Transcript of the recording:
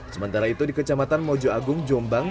sementara itu di kecamatan mojo agung jombang